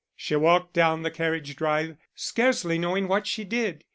She walked down the carriage drive scarcely knowing what she did.